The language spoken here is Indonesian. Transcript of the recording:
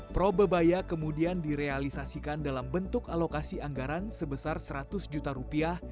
pro bebaya kemudian direalisasikan dalam bentuk alokasi anggaran sebesar seratus juta rupiah